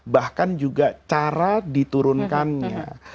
bahkan juga cara diturunkannya